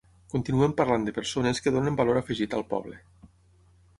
Continuem parlant de persones que donen valor afegit al poble.